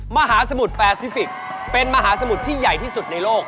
มหาสมุทรแปซิฟิกเป็นมหาสมุทรที่ใหญ่ที่สุดในโลก